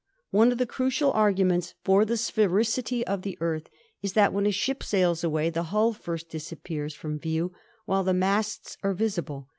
One of the crucial arguments for the sphericity of the Earth is that when a ship sails away the hull first dis appears from view while the masts are visible.